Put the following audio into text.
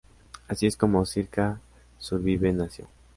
Así es como Circa Survive nació.